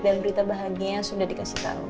dan berita bahagia sudah dikasih tahu